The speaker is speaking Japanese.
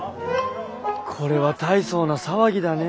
これは大層な騒ぎだねえ。